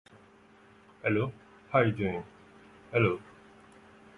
Many stations throughout the system feature commissioned works by various artists.